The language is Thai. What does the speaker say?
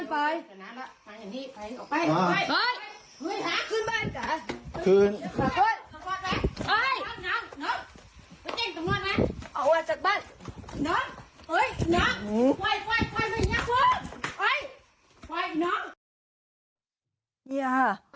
เนี่ยอ่ะ